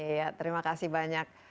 ya terima kasih banyak